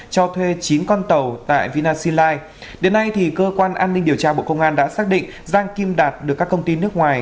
cho thuê chín con tàu tại vinasinlife đến nay cơ quan an ninh điều tra bộ công an đã xác định giang kim đạt được các công ty nước ngoài